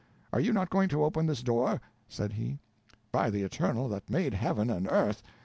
Are you not going to open this door?" said he. "By the Eternal that made Heaven and earth!